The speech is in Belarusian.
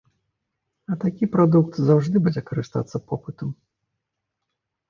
А такі прадукт заўжды будзе карыстацца попытам.